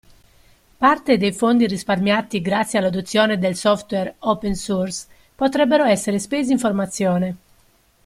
Parte dei fondi risparmiati grazie all'adozione del software open source potrebbero essere spesi in formazione.